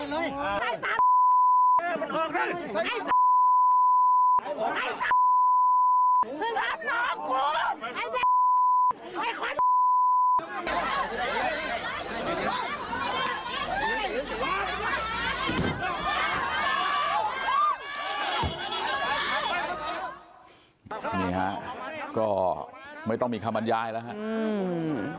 นี่ฮะก็ไม่ต้องมีคำบรรยายแล้วครับ